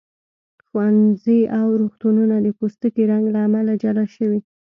ښوونځي او روغتونونه د پوستکي رنګ له امله جلا شوي.